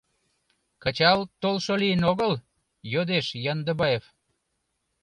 — Кычал толшо лийын огыл? — йодеш Яндыбаев.